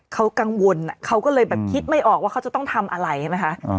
เขากังวลเขาก็เลยแบบคิดไม่ออกว่าเขาจะต้องทำอะไรใช่ไหมคะ